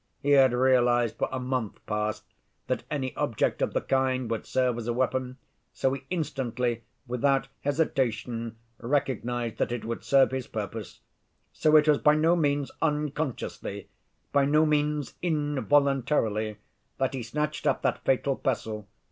He had realized for a month past that any object of the kind would serve as a weapon, so he instantly, without hesitation, recognized that it would serve his purpose. So it was by no means unconsciously, by no means involuntarily, that he snatched up that fatal pestle.